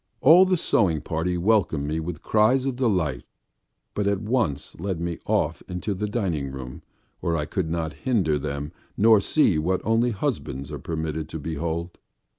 All the sewing party welcomed me with cries of delight but at once led me off into the dining room where I could not hinder them nor see what only husbands are permitted to behold.